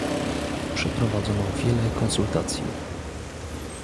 Przeprowadzono wiele konsultacji